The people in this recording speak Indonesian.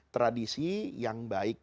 tradisi yang baik